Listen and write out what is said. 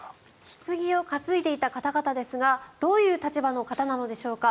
ひつぎを担いでいた方々ですがどういう立場の方なのでしょうか？